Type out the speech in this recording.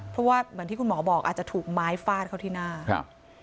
เพราะว่าเหมือนที่คุณหมอบอกอาจจะถูกไม้ฟาดเขาที่หน้าครับ